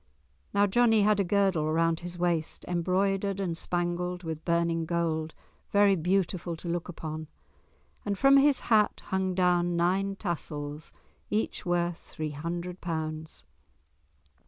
Now Johnie had a girdle round his waist embroidered and spangled with burning gold, very beautiful to look upon, and from his hat hung down nine tassels, each worth three hundred pounds.